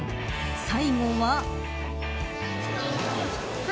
最後は。